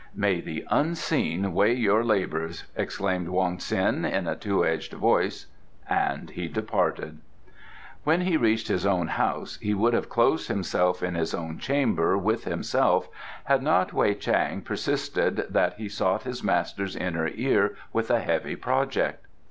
"May the Unseen weigh your labours!" exclaimed Wong Ts'in in a two edged voice, and he departed. When he reached his own house he would have closed himself in his own chamber with himself had not Wei Chang persisted that he sought his master's inner ear with a heavy project.